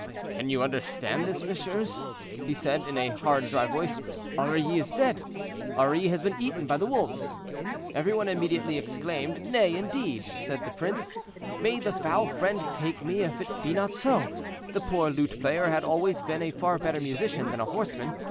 "'Can you understand this, messieurs?' he said, in a hard dry voice; 'Aurilly is dead; Aurilly has been eaten by the wolves.' "Every one immediately exclaimed. "'Nay, indeed,' said the prince; 'may the foul fiend take me if it be not so; the poor lute player had always been a far better musician than a horseman.